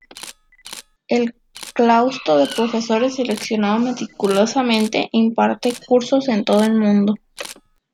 El claustro de profesores, seleccionado meticulosamente, imparte cursos en todo el mundo.